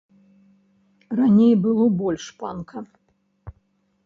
Раней было больш панка.